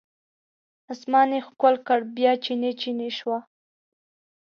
اسمان یې ښکل کړ بیا چینې، چینې شوه